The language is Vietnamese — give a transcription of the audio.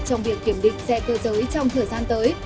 trong việc kiểm định xe cơ giới trong thời gian tới